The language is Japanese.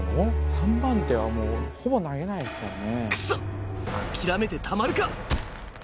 ３番手はほぼ投げないですからね。